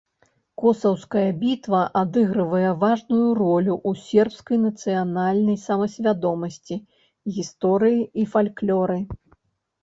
Косаўская бітва адыгрывае важную ролю ў сербскай нацыянальнай самасвядомасці, гісторыі і фальклоры.